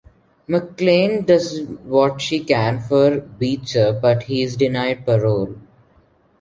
McClain does what she can for Beecher but he is denied parole.